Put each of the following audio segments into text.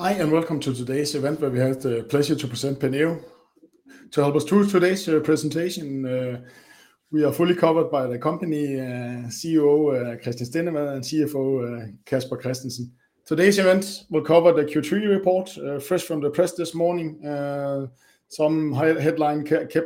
Hi, and welcome to today's event where we have the pleasure to present Penneo. To help us through today's presentation, we are fully covered by the company, CEO Christian Stendevad, and CFO Casper Christiansen. Today's event will cover the Q3 report, fresh from the press this morning. Some headline keep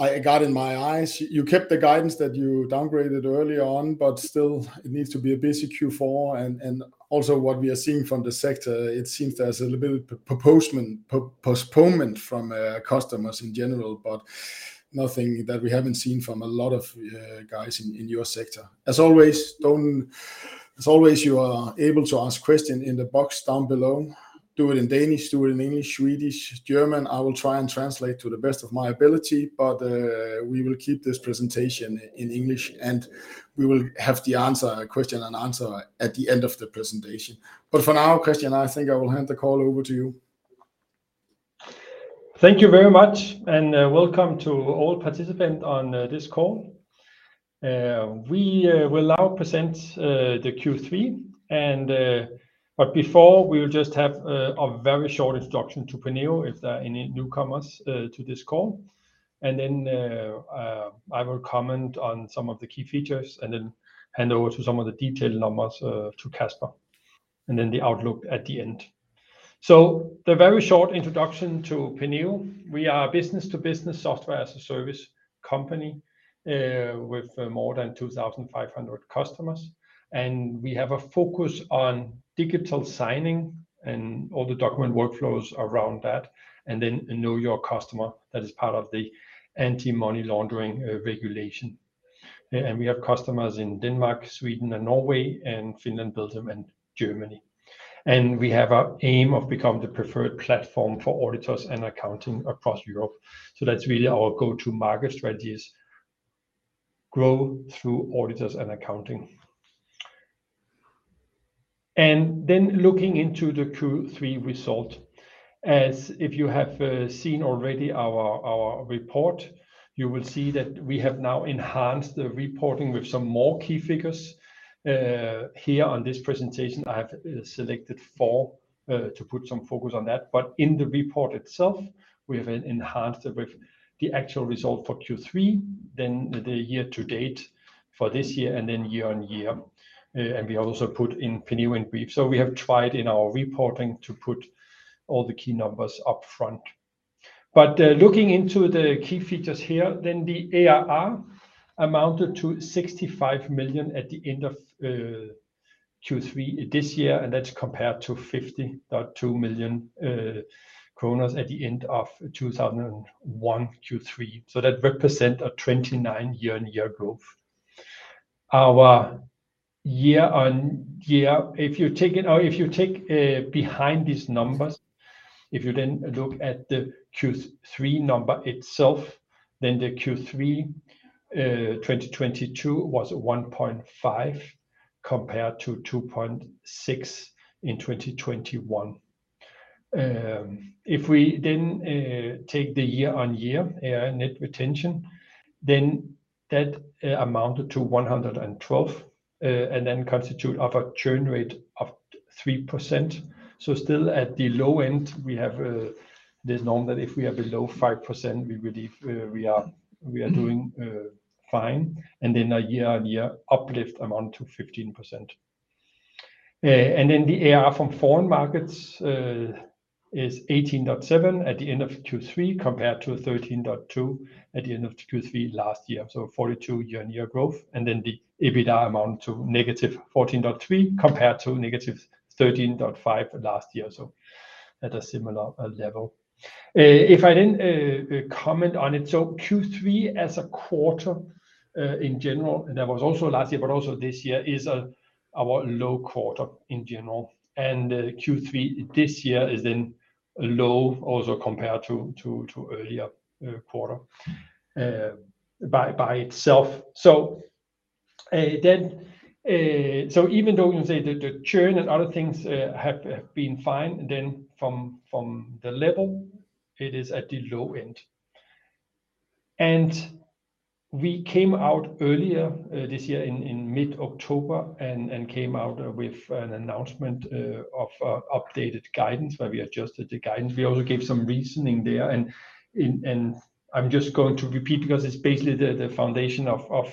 I got in my eyes. You kept the guidance that you downgraded early on, but still it needs to be a busy Q4. Also what we are seeing from the sector, it seems there's a little bit of postponement from customers in general, but nothing that we haven't seen from a lot of guys in your sector. As always, you are able to ask questions in the box down below. Do it in Danish, do it in English, Swedish, German. I will try and translate to the best of my ability. We will keep this presentation in English, and we will have the answer, question and answer at the end of the presentation. For now, Christian, I think I will hand the call over to you. Thank you very much. Welcome to all participants on this call. We will now present the Q3. Before we will just have a very short introduction to Penneo, if there are any newcomers to this call. I will comment on some of the key features and then hand over to some of the detailed numbers to Casper, and then the outlook at the end. The very short introduction to Penneo. We are a business-to-business Software-as-a-Service company with more than 2,500 customers, and we have a focus on digital signing and all the document workflows around that, and then know your customer, that is part of the Anti-Money Laundering regulation. We have customers in Denmark, Sweden and Norway, Finland, Belgium and Germany. We have our aim of becoming the preferred platform for auditors and accounting across Europe. That's really our go-to-market strategies, grow through auditors and accounting. Looking into the Q3 result. As if you have seen already our report, you will see that we have now enhanced the reporting with some more key figures. Here on this presentation, I have selected four to put some focus on that. In the report itself, we have enhanced it with the actual result for Q3, then the year to date for this year, and then year on year. And we also put in Penneo in brief. We have tried in our reporting to put all the key numbers up front. Looking into the key features here, then the ARR amounted to 65 million at the end of Q3 2022, and that's compared to 50.2 million kroner at the end of 2001 Q3. That represent a 29 year-on-year growth. If you take behind these numbers, if you then look at the Q3 number itself, then the Q3 2022 was 1.5 compared to 2.6 in 2021. If we take the year-on-year net retention, then that amounted to 112%, and then constitute of a churn rate of 3%. Still at the low end, we have this norm that if we are below 5%, we believe we are doing fine. A year-on-year uplift amount to 15%. The ARR from foreign markets is 18.7 at the end of Q3, compared to 13.2 at the end of Q3 last year. 42% year-on-year growth. The EBITDA amount to -14.3, compared to -13.5 last year. At a similar level. If I then comment on it. Q3 as a quarter in general, and that was also last year, but also this year, is our low quarter in general. Q3 this year is then low also compared to earlier quarter by itself. Even though you say the churn and other things have been fine, then from the level it is at the low end. We came out earlier this year in mid-October and came out with an announcement of updated guidance where we adjusted the guidance. We also gave some reasoning there, I'm just going to repeat because it's basically the foundation of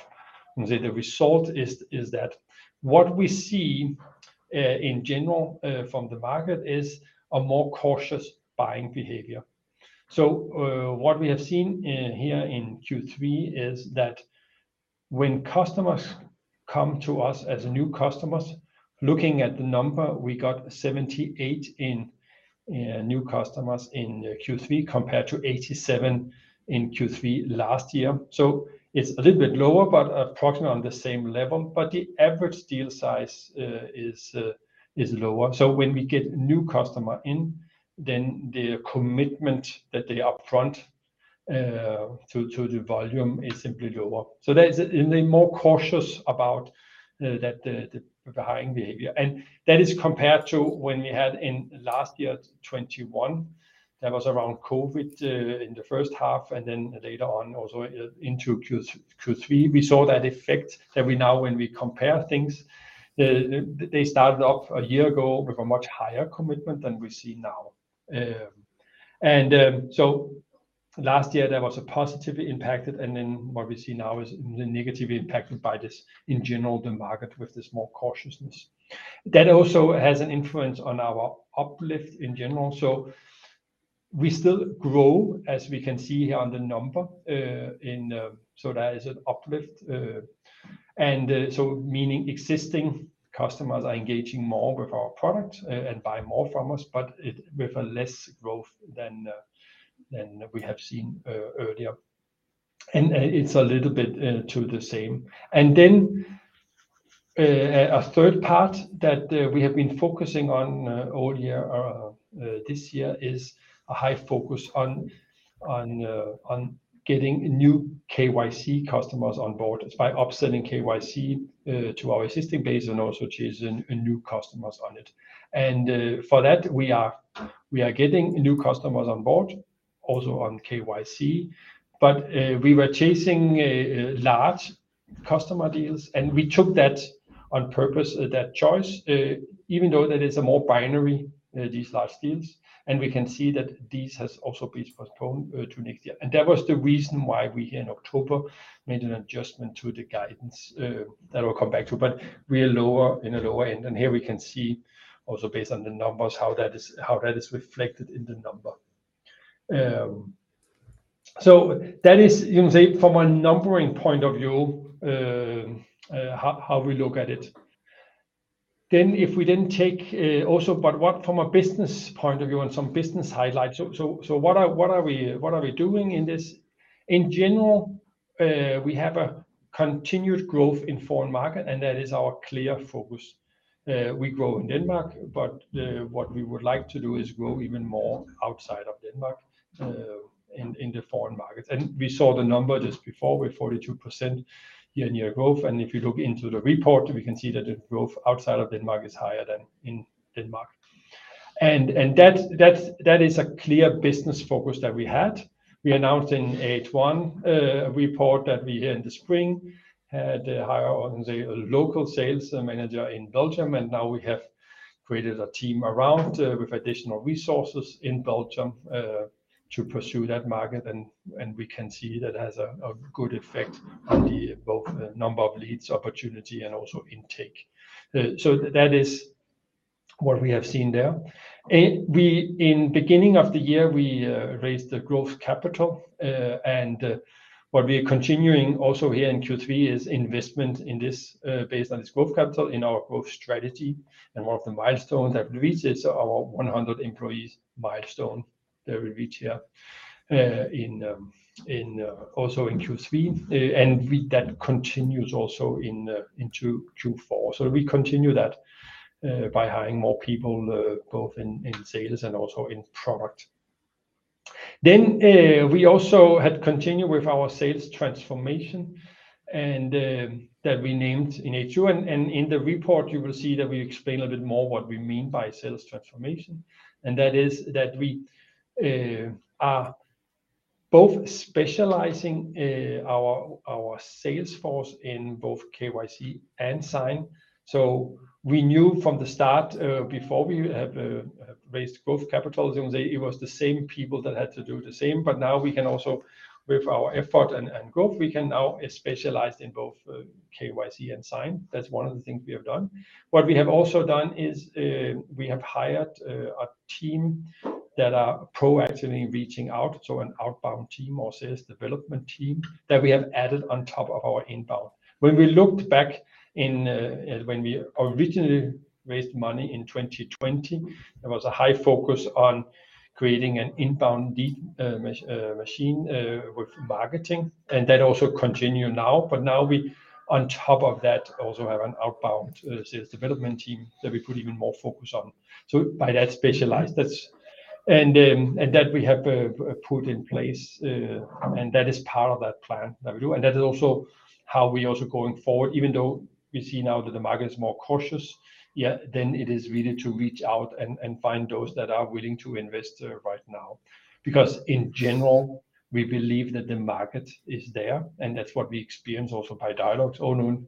the result is that what we see in general from the market is a more cautious buying behavior. What we have seen here in Q3 is that when customers come to us as new customers, looking at the number, we got 78 new customers in Q3 compared to 87 in Q3 last year. It's a little bit lower, but approximately on the same level. The average deal size is lower. When we get new customer in, then the commitment that they upfront to the volume is simply lower. There's... They're more cautious about the buying behavior. That is compared to when we had in last year, 2021, that was around COVID, in the first half and then later on also into Q3, we saw that effect that we now when we compare things, they started off a year ago with a much higher commitment than we see now. Last year there was a positively impacted, and then what we see now is negatively impacted by this in general the market with the small cautiousness. That also has an influence on our uplift in general. We still grow, as we can see here on the number, in, so that is an uplift, and, so meaning existing customers are engaging more with our product and buy more from us, but with a less growth than than we have seen earlier. It's a little bit to the same. Then a third part that we have been focusing on all year or this year is a high focus on getting new KYC customers on board. It's by upselling KYC to our existing base, and also chasing new customers on it. For that we are getting new customers on board also on KYC, but we were chasing a large customer deals, and we took that on purpose, that choice, even though that is a more binary, these large deals. We can see that this has also been postponed to next year. That was the reason why we here in October made an adjustment to the guidance that we'll come back to. We are lower in the lower end. Here we can see also based on the numbers how that is reflected in the number. That is, you can say from a numbering point of view, how we look at it. If we then take also but what from a business point of view and some business highlights. What are we doing in this? In general, we have a continued growth in foreign market, and that is our clear focus. We grow in Denmark, but what we would like to do is grow even more outside of Denmark in the foreign markets. We saw the number just before with 42% year-on-year growth. If you look into the report, we can see that the growth outside of Denmark is higher than in Denmark. That is a clear business focus that we had. We announced in H1 report that we here in the spring had hired a local sales manager in Belgium, and now we have created a team around with additional resources in Belgium to pursue that market. We can see that has a good effect on the both the number of leads opportunity and also intake. That is what we have seen there. In beginning of the year, we raised the growth capital. What we are continuing also here in Q3 is investment in this, based on this growth capital in our growth strategy. One of the milestones that we reach is our 100 employees milestone that we reach here in also in Q3. That continues also in Q4. We continue that by hiring more people, both in sales and also in product. We also had continued with our sales transformation that we named in H2. In the report you will see that we explain a little bit more what we mean by sales transformation. That is that we are both specializing our sales force in both KYC and Sign. We knew from the start, before we have raised growth capital, it was the same people that had to do the same. Now we can also, with our effort and growth, we can now specialize in both KYC and Sign. That's one of the things we have done. What we have also done is, we have hired, a team that are proactively reaching out, so an outbound team or sales development team that we have added on top of our inbound. When we looked back in, when we originally raised money in 2020, there was a high focus on creating an inbound lead, machine, with marketing, and that also continue now. Now we on top of that also have an outbound, sales development team that we put even more focus on. By that specialized and that we have, put in place, and that is part of that plan that we do. That is also how we also going forward, even though we see now that the market is more cautious, yet then it is really to reach out and find those that are willing to invest right now. In general, we believe that the market is there, and that's what we experience also by dialogues all known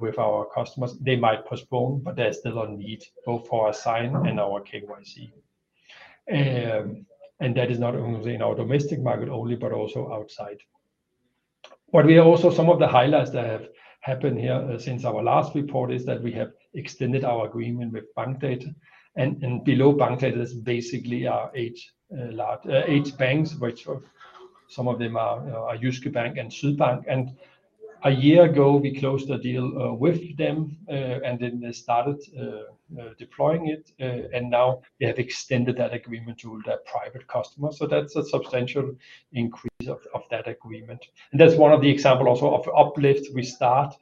with our customers. They might postpone, but there's still a need both for our Sign and our KYC. That is not only in our domestic market only, but also outside. What we are also some of the highlights that have happened here since our last report is that we have extended our agreement with Bankdata, and below Bankdata is basically our eight large eight banks, which of some of them are Jyske Bank and Sydbank. A year ago, we closed a deal with them, and then they started deploying it. Now they have extended that agreement to their private customers. That's a substantial increase of that agreement. That's one of the example also of uplift. We start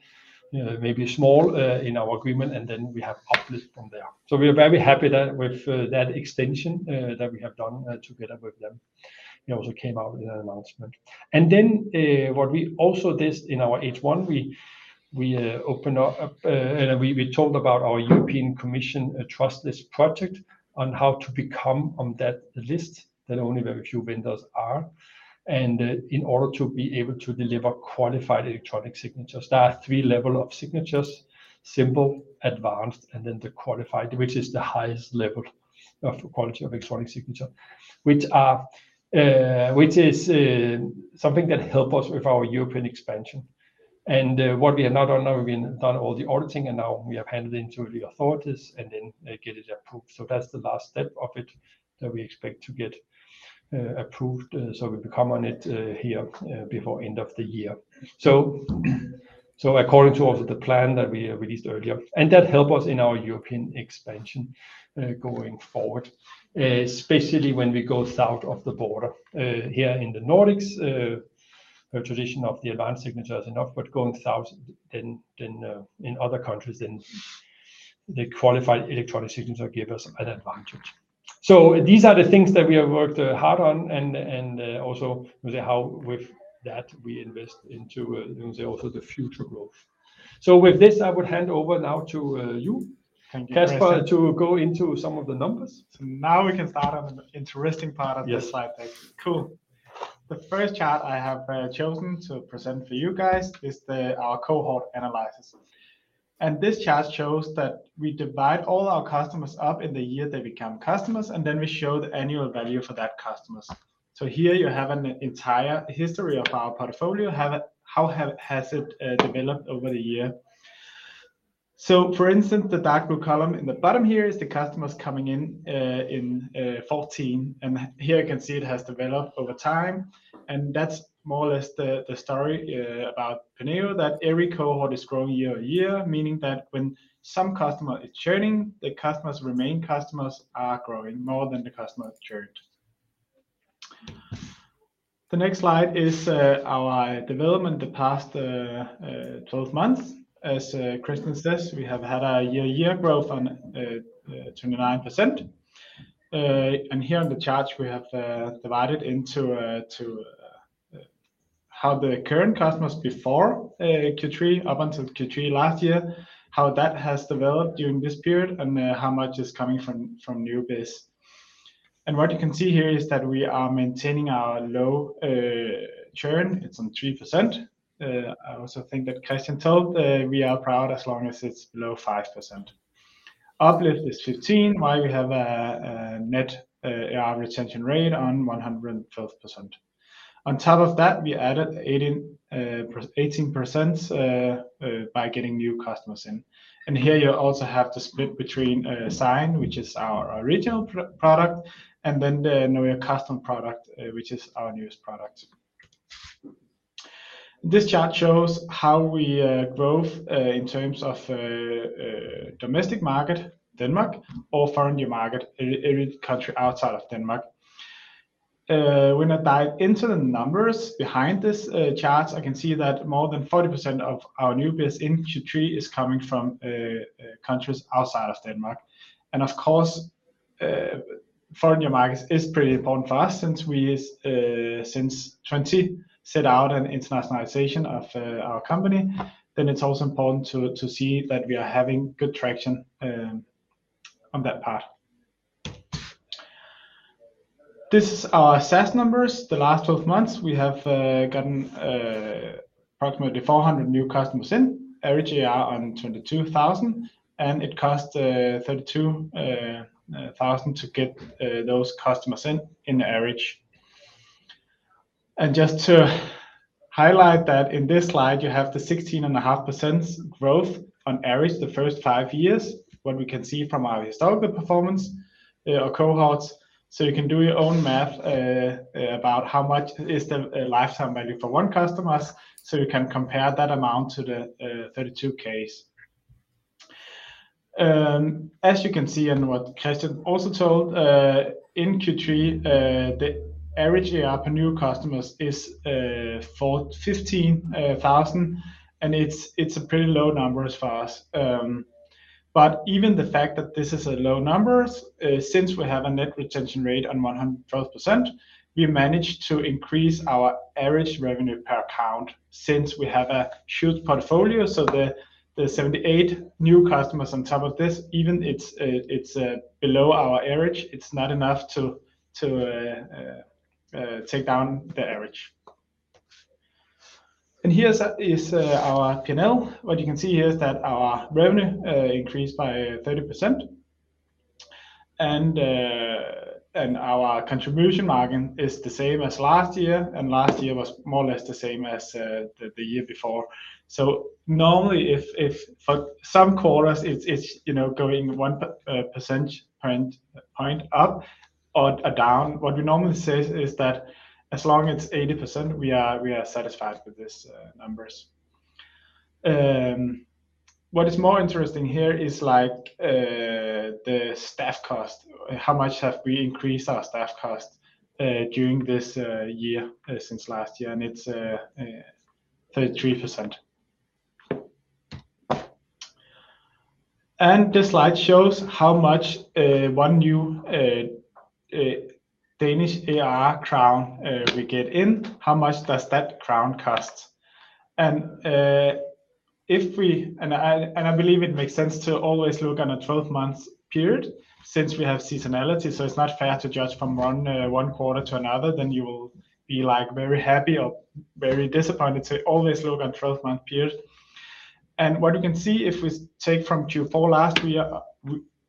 maybe small in our agreement, and then we have uplift from there. We are very happy that with that extension that we have done together with them. It also came out in an announcement. What we also did in our H1, we open up and we told about our European Commission Trust List project on how to become on that list that only very few vendors are, and in order to be able to deliver Qualified Electronic Signatures. There are three level of signatures: simple, Advanced, and then the Qualified, which is the highest level of quality of electronic signature, which is something that help us with our European expansion. What we have now done, now we've done all the auditing, and now we have handed into the authorities, and then they get it approved. That's the last step of it that we expect to get approved so we become on it here before end of the year. According to also the plan that we released earlier, and that help us in our European expansion going forward, especially when we go south of the border. Here in the Nordics, a tradition of the Advanced signature is enough, but going south then, in other countries then the Qualified electronic signature give us an advantage. These are the things that we have worked hard on and also how with that we invest into also the future growth. With this, I would hand over now to you. Thank you, Christian. Casper to go into some of the numbers. Now we can start on the interesting part of the slide deck. Yes. Cool. The first chart I have chosen to present for you guys is our cohort analysis. This chart shows that we divide all our customers up in the year they become customers, and then we show the annual value for that customers. Here you have an entire history of our portfolio, has it developed over the year. For instance, the dark blue column in the bottom here is the customers coming in in 14, and here you can see it has developed over time, and that's more or less the story about Penneo that every cohort is growing year-over-year, meaning that when some customer is churning, customers are growing more than the customer that churned. The next slide is our development the past 12 months. As Christian says, we have had a year-over-year growth on 29%. Here in the charts we have divided into how the current customers before Q3 up until Q3 last year, how that has developed during this period, and how much is coming from new base. What you can see here is that we are maintaining our low churn. It's on 3%. I also think that Christian told, we are proud as long as it's below 5%. Uplift is 15%, while we have a net average retention rate on 112%. On top of that, we added 18% by getting new customers in. Here you also have the split between Sign, which is our original product, and then the newer custom product, which is our newest product. This chart shows how we growth in terms of domestic market, Denmark or foreign new market, every country outside of Denmark. When I dive into the numbers behind this charts, I can see that more than 40% of our new base in Q3 is coming from countries outside of Denmark. Of course, foreign new markets is pretty important for us since we since 20 set out an internationalization of our company, it's also important to see that we are having good traction on that part. This is our SaaS numbers. The last 12 months, we have gotten approximately 400 new customers in, average ARR on 22,000, and it costs 32,000 to get those customers in average. Just to highlight that in this slide, you have the 16.5% growth on average the first five years, what we can see from our historical performance cohorts. You can do your own math about how much is the lifetime value for one customers, so you can compare that amount to the 32k. As you can see and what Christian also told, in Q3, the average ARR per new customers is for 15,000, and it's a pretty low number as far as, but even the fact that this is a low numbers, since we have a net retention rate on 112%, we managed to increase our average revenue per account since we have a huge portfolio. The 78 new customers on top of this, even it's below our average, it's not enough to take down the average. Here's our P&L. What you can see here is that our revenue increased by 30%, our contribution margin is the same as last year, last year was more or less the same as the year before. Normally if for some quarters it's, you know, going one percentage point up or down, what we normally say is that as long as it's 80%, we are satisfied with this numbers. What is more interesting here is like the staff cost, how much have we increased our staff cost during this year since last year, it's 33%. This slide shows how much one new Danish ARR crown we get in, how much does that crown cost? I believe it makes sense to always look on a 12-month period since we have seasonality, so it's not fair to judge from one quarter to another. You will be, like, very happy or very disappointed. Always look on a 12-month period. What you can see if we take from Q4 last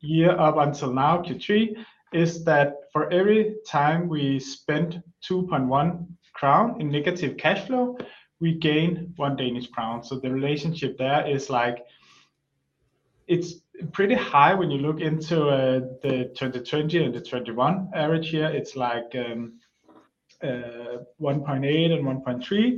year up until now, Q3, is that for every time we spent 2.1 crown in negative cash flow, we gain 1 Danish crown. The relationship there is like it's pretty high when you look into the 2020 and the 2021 average here, it's like 1.8 and 1.3,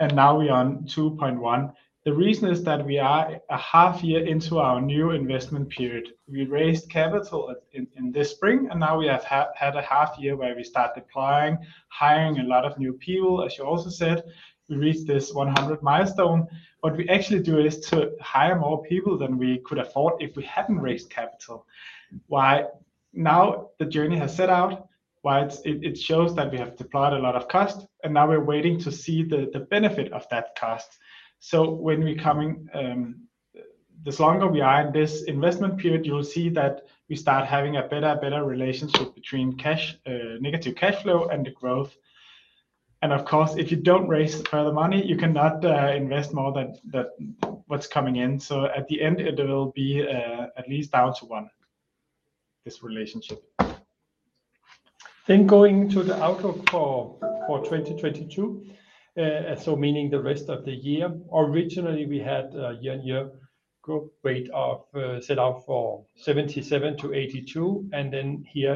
and now we're on 2.1. The reason is that we are a half year into our new investment period. We raised capital in this spring, and now we have had a half year where we start deploying, hiring a lot of new people. As you also said, we reached this 100 milestone. What we actually do is to hire more people than we could afford if we hadn't raised capital. Why? Now the journey has set out, why it shows that we have deployed a lot of cost, and now we're waiting to see the benefit of that cost. When we coming, the longer we are in this investment period, you will see that we start having a better relationship between cash, negative cash flow and the growth. Of course, if you don't raise further money, you cannot invest more than what's coming in. At the end it will be, at least down to one, this relationship. Going to the outlook for 2022, so meaning the rest of the year. Originally, we had a year-on-year growth rate set out for 77%-82%, and here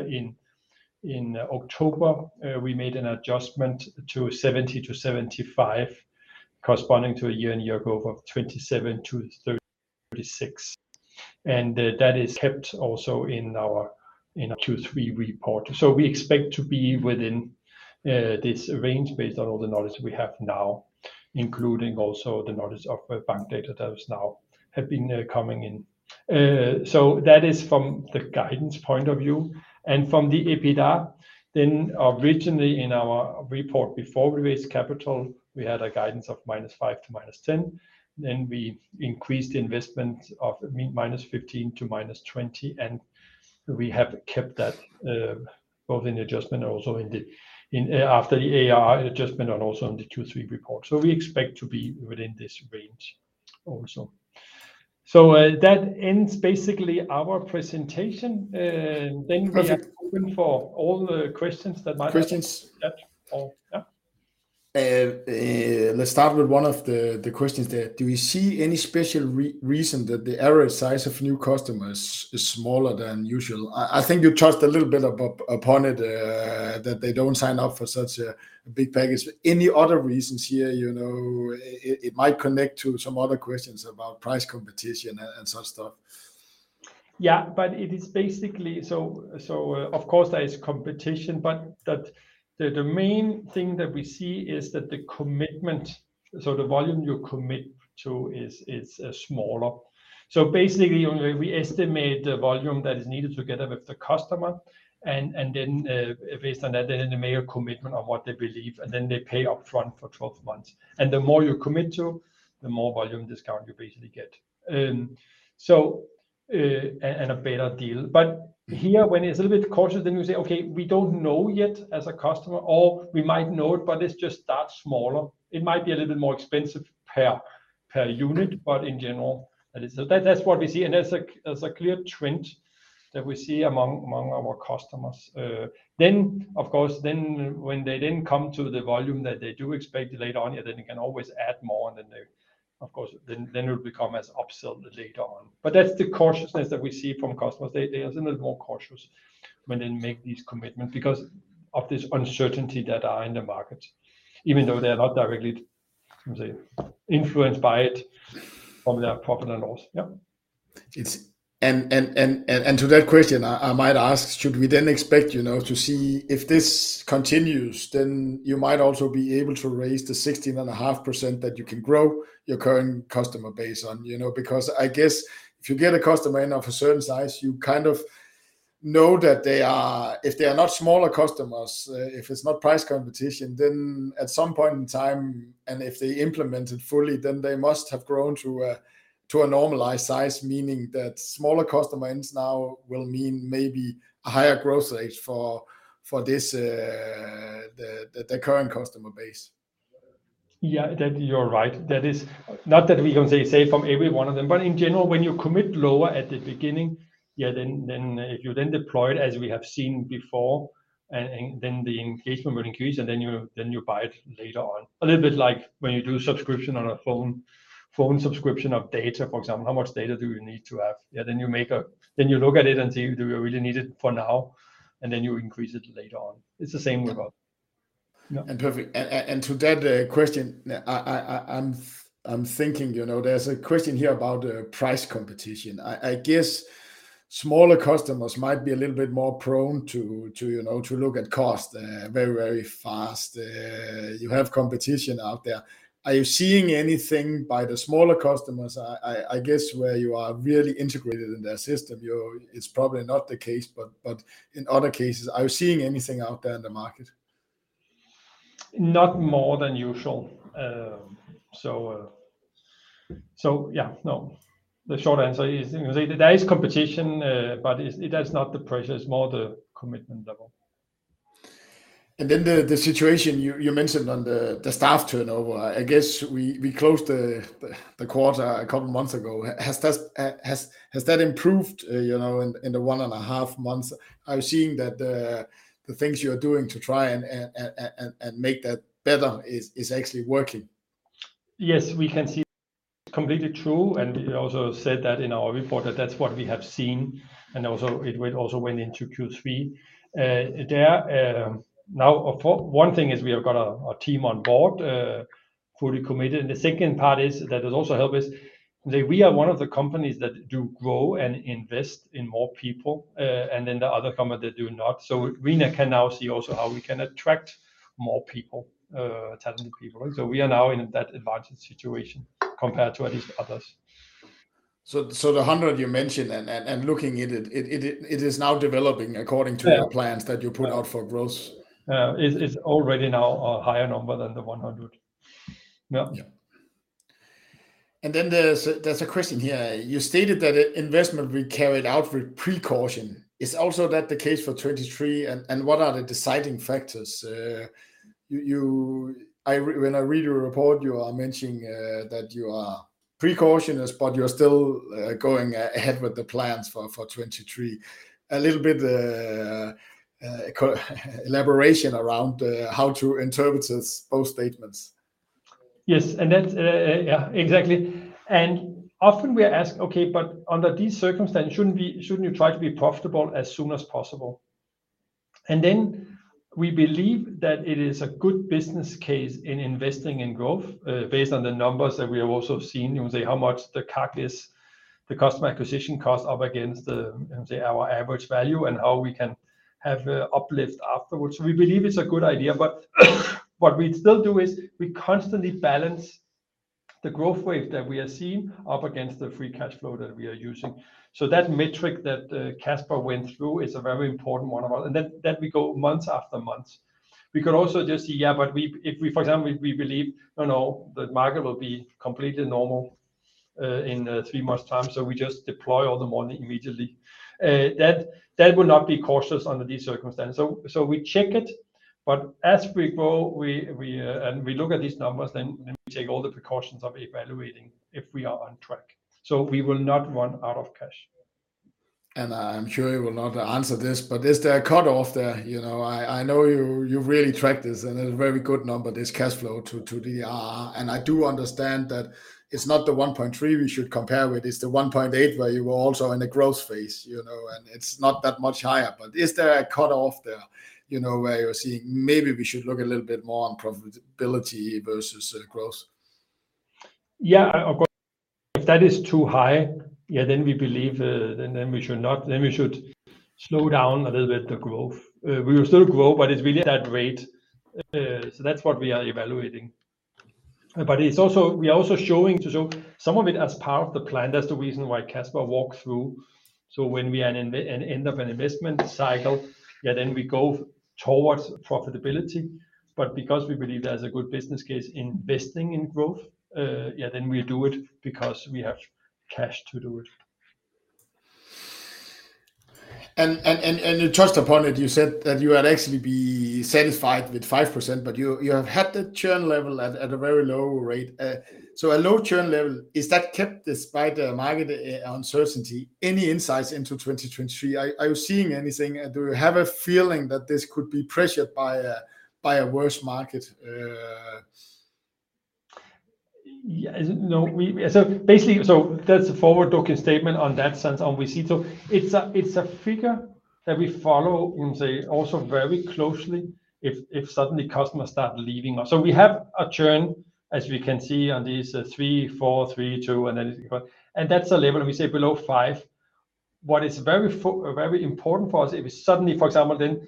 in October, we made an adjustment to 70%-75% corresponding to a year-on-year growth of 27%-36%. That is kept also in our Q3 report. We expect to be within this range based on all the knowledge we have now, including also the knowledge of Bankdata that has now have been coming in. That is from the guidance point of view and from the EBITDA. Originally in our report before we raised capital, we had a guidance of -5% to -10%. We increased the investment of -15 to -20, and we have kept that, both in the adjustment and also in the after the ARR adjustment and also in the Q3 report. We expect to be within this range also. That ends basically our presentation. We are open for all the questions that might. Questions. Yeah. All. Yeah. Let's start with one of the questions there. Do we see any special reason that the ARR size of new customers is smaller than usual? I think you touched a little bit upon it that they don't sign up for such a big package. Any other reasons here, you know, it might connect to some other questions about price competition and such stuff? Yeah. It is basically. Of course there is competition, but the main thing that we see is that the commitment, so the volume you commit to is smaller. Basically, you know, we estimate the volume that is needed together with the customer and then, based on that, they then make a commitment on what they believe, and then they pay up front for 12 months. The more you commit to, the more volume discount you basically get. And a better deal. Here when it's a little bit cautious, then you say, "Okay, we don't know yet as a customer," or we might know it, but let's just start smaller. It might be a little bit more expensive per unit, but in general that is. That's what we see, and that's a clear trend that we see among our customers. Of course, then when they then come to the volume that they do expect later on, then you can always add more, and then they, of course, then it'll become as upsell later on. That's the cautiousness that we see from customers. They are a little bit more cautious when they make these commitments because of this uncertainty that are in the market, even though they're not directly, can we say, influenced by it from their profit and loss. To that question, I might ask, should we then expect, you know, to see if this continues, then you might also be able to raise the 16.5% that you can grow your current customer base on? You know, I guess if you get a customer in of a certain size, you kind of know that if they are not smaller customers, if it's not price competition, then at some point in time, and if they implement it fully, then they must have grown to a normalized size. Meaning that smaller customers now will mean maybe a higher growth rate for this current customer base. Yeah. That, you're right. Not that we can say from every one of them, but in general, when you commit lower at the beginning, yeah, then if you then deploy it as we have seen before and then the engagement will increase, and then you buy it later on. A little bit like when you do subscription on a phone subscription of data, for example, how much data do you need to have? Yeah. Then you look at it and see do we really need it for now, and then you increase it later on. It's the same with us. Yeah. Perfect. To that question, I'm thinking, you know, there's a question here about price competition. I guess. Smaller customers might be a little bit more prone to, you know, to look at cost, very, very fast. You have competition out there. Are you seeing anything by the smaller customers, I guess, where you are really integrated in their system? It's probably not the case, but in other cases, are you seeing anything out there in the market? Not more than usual. Yeah, no. The short answer is there is competition, that's not the pressure. It's more the commitment level. The situation you mentioned on the staff turnover, I guess we closed the quarter a couple months ago. Has that improved, you know, in the 1.5 months? Are you seeing that the things you are doing to try and make that better is actually working? Yes, we can see completely true. It also said that in our report that that's what we have seen, and also it will also went into Q3. There, now of course one thing is we have got a team on board, fully committed. The second part is that has also helped us that we are one of the companies that do grow and invest in more people, and then the other company that do not. We can now see also how we can attract more people, talented people. We are now in that advantage situation compared to at least others. The 100 you mentioned and looking at it is now developing according to. Yeah The plans that you put out for growth. It's already now a higher number than the 100. Yeah. Yeah. Then there's a question here. You stated that investment will be carried out for precaution. Is also that the case for 2023? What are the deciding factors? When I read your report, you are mentioning that you are precautionist, but you're still going ahead with the plans for 2023. A little bit elaboration around how to interpret us those statements. Yes. Exactly. Often we are asked, "Okay, but under these circumstances, shouldn't we, shouldn't you try to be profitable as soon as possible?" We believe that it is a good business case in investing in growth, based on the numbers that we have also seen, you say how much the CAC is, the customer acquisition cost up against the, say, our average value and how we can have a uplift afterwards. We believe it's a good idea, what we still do is we constantly balance the growth wave that we are seeing up against the free cash flow that we are using. That metric that Casper went through is a very important one. Then we go month after month. We could also just say, yeah, if we, for example, we believe, you know, the market will be completely normal in three months time. We just deploy all the money immediately. That will not be cautious under these circumstances. We check it, but as we go, we, and we look at these numbers, we take all the precautions of evaluating if we are on track. We will not run out of cash. I'm sure you will not answer this, is there a cut off there? You know, I know you really track this and a very good number, this cash flow to the ARR, and I do understand that it's not the 1.3 we should compare with, it's the 1.8 where you were also in the growth phase, you know, and it's not that much higher. Is there a cut off there, you know, where you're seeing maybe we should look a little bit more on profitability versus growth? Yeah. Of course, if that is too high, yeah, then we believe, then we should slow down a little bit the growth. We will still grow, but it's really that rate. That's what we are evaluating. We are also showing to some of it as part of the plan. That's the reason why Casper walked through. When we are in the end of an investment cycle, yeah, then we go towards profitability. Because we believe there's a good business case investing in growth, yeah, then we do it because we have cash to do it. You touched upon it. You said that you would actually be satisfied with 5%, but you have had the churn level at a very low rate. A low churn level, is that kept despite the market uncertainty, any insights into 2023? Are you seeing anything? Do you have a feeling that this could be pressured by a worse market? Yeah. No. That's a forward-looking statement on that sense on we see. It's a figure that we follow and say also very closely if suddenly customers start leaving us. We have a churn, as we can see on these 3%, 4%, 3%, 2%, and that's the level we say below 5%. What is very important for us, if suddenly, for example, then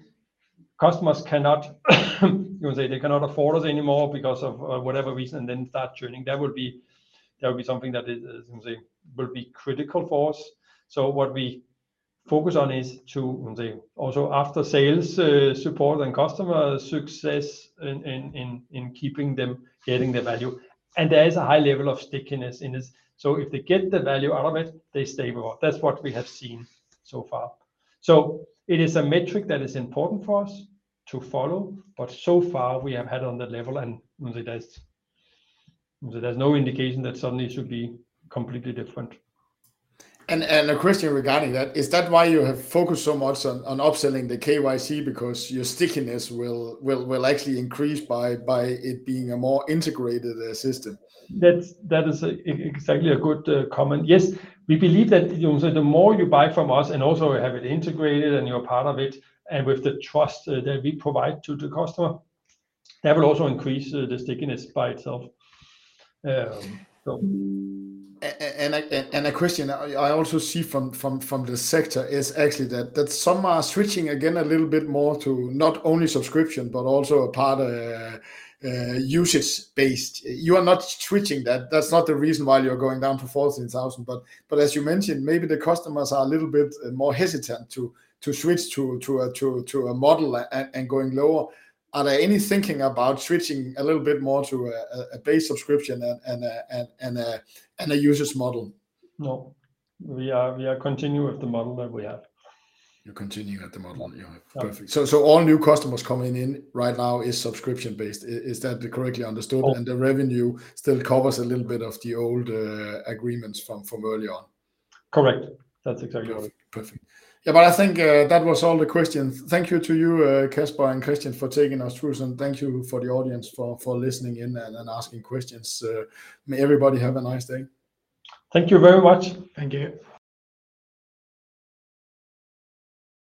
customers cannot, you say they cannot afford us anymore because of whatever reason, then start churning, that would be something that is, you say, will be critical for us. What we focus on is to, you say, also after sales support and customer success in keeping them getting the value, and there is a high level of stickiness in this. If they get the value out of it, they stay board. That's what we have seen so far. It is a metric that is important for us to follow. So far we have had on that level and there's no indication that suddenly it should be completely different. A question regarding that, is that why you have focused so much on upselling the KYC because your stickiness will actually increase by it being a more integrated system? That is exactly a good comment. Yes, we believe that, you know, the more you buy from us and also have it integrated and you're part of it, and with the trust that we provide to the customer, that will also increase the stickiness by itself. A question I also see from the sector is actually that some are switching again a little bit more to not only subscription, but also a part usage based. You are not switching that. That's not the reason why you're going down to 14,000. As you mentioned, maybe the customers are a little bit more hesitant to switch to a model and going lower. Are there any thinking about switching a little bit more to a base subscription and a usage model? No. We are continuing with the model that we have. You're continuing with the model you have. Yeah. Perfect. All new customers coming in right now is subscription based. Is that correctly understood? All. The revenue still covers a little bit of the old agreements from earlier on. Correct. That's exactly right. Perfect. I think that was all the questions. Thank you to you, Casper and Christian, for taking us through. Thank you for the audience for listening in and asking questions. May everybody have a nice day. Thank you very much. Thank you.